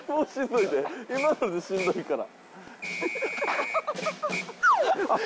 今のでしんどいから。